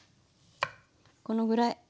このぐらい。